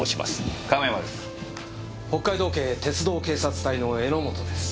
北海道警鉄道警察隊の榎本です。